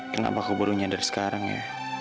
kenapa aku baru nyadar sekarang ya